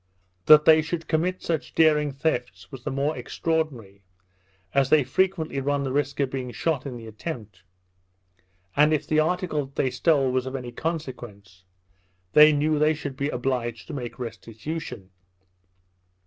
That they should commit such daring thefts was the more extraordinary, as they frequently run the risk of being shot in the attempt; and if the article that they stole was of any consequence, they knew they should be obliged to make restitution.